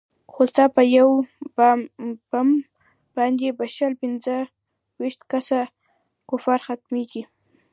خو ستا په يو بم باندې به شل پينځه ويشت کسه کفار ختميګي.